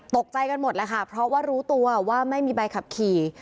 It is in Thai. ตกใจกันหมดแล้วค่ะเพราะว่ารู้ตัวว่าไม่มีใบขับขี่